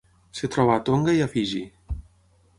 Es troba a Tonga i a Fiji.